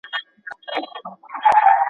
زموږ څېړني به په راتلونکي کي نورې هم ښې سي.